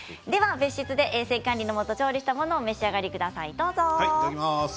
別室で衛生管理のもと調理したものを召し上がりください。